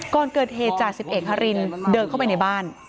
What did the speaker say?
ก่อนเกิดเหตุจ่าสิบเอกฮารินเดินเข้าไปในบ้าน